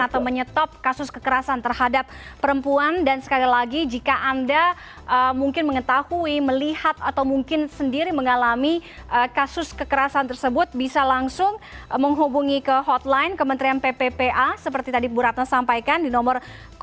atau menyetop kasus kekerasan terhadap perempuan dan sekali lagi jika anda mungkin mengetahui melihat atau mungkin sendiri mengalami kasus kekerasan tersebut bisa langsung menghubungi ke hotline kementerian pppa seperti tadi bu ratna sampaikan di nomor delapan ribu satu ratus sebelas satu ratus dua puluh sembilan satu ratus dua puluh sembilan